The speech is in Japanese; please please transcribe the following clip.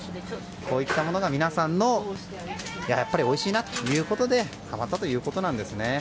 こういったものが皆さんがやっぱりおいしいなということで変わったということなんですね。